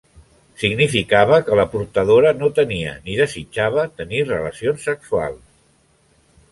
Significava que la portadora no tenia ni desitjava tenir relacions sexuals.